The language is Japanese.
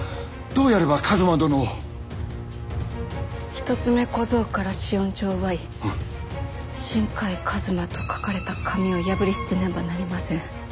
一つ目小僧から死怨帳を奪い「新海一馬」と書かれた紙を破り捨てねばなりません。